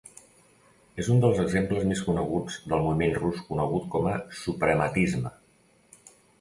És un dels exemples més coneguts del moviment rus conegut com a suprematisme.